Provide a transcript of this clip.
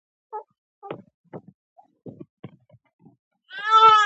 پيژو د اروپا له پخوانیو موټر جوړونکو څخه ده.